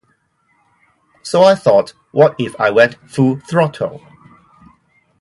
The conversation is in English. So I thought, 'What if I went full throttle?